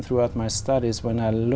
ở quốc gia việt nam